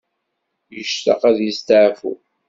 Yectaq ad yesteɛfu.